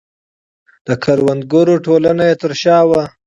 د کروندګرو ټولنه یې تر شا وه.